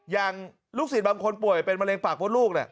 อย่างลูกศิษย์บางคนป่วยเป็นมะเร็งปากมดลูก